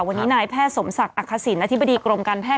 วันนี้นายแพทย์สมศักดิ์อักษิณอธิบดีกรมการแพท